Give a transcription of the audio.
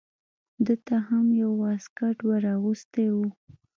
ده ته هم یو واسکټ ور اغوستی و.